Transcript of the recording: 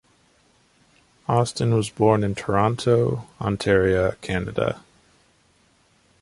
Austin was born in Toronto, Ontario, Canada.